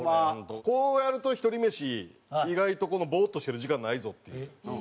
こうやるとひとり飯意外とボーっとしてる時間ないぞっていう。